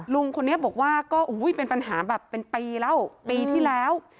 ลุงคนนี้บอกว่าก็เป็นปัญหาแบบเป็นปีแล้วปีที่แล้ว